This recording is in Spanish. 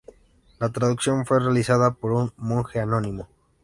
La traducción fue realizada por un monje anónimo.